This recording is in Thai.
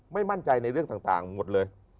ไม่มั่นใจในเรื่องต่างหมดเลย